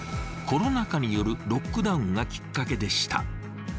コロナ禍によるロックダウンがきっかけでした。